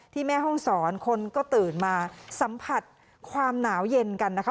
แม่ห้องศรคนก็ตื่นมาสัมผัสความหนาวเย็นกันนะคะ